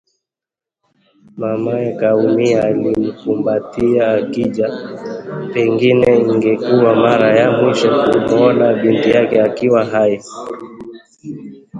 Mamaye Kaumia alimkumbatia akijua pengine ingekuwa mara ya mwisho kumwona bintiye akiwa hai